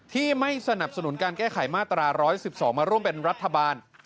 ไม่สนับสนุนการแก้ไขมาตรา๑๑๒มาร่วมเป็นรัฐบาล